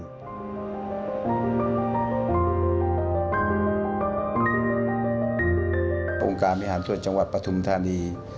โครงการมิหารตัวจังหวัดพระธุมธานี